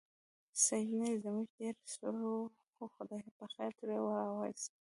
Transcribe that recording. سږنی ژمی ډېر سوړ و، خو خدای پخېر ترې را و ایستلو.